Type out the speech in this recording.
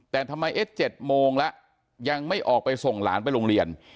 แต่ทำไมเอ็ดเจ็ดโมงละยังไม่ออกไปส่งหลานไปโรงเรียน